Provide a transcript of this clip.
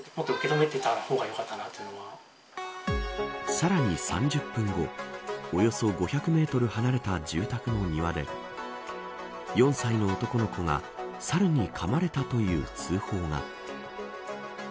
さらに３０分後およそ５００メートル離れた住宅の庭で４歳の男の子が猿にかまれたという通報が。